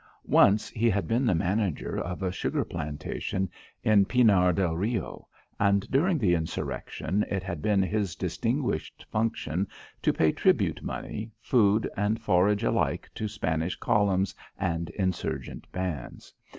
Once he had been the manager of a sugar plantation in Pinar del Rio, and during the insurrection it had been his distinguished function to pay tribute of money, food and forage alike to Spanish columns and insurgent bands.